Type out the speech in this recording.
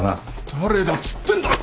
誰だっつってんだろ。